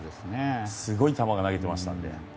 すごい球を投げてましたので。